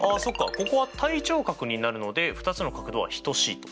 ここは対頂角になるので２つの角度は等しいと。